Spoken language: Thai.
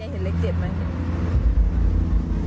เห็นเลข๗ไหม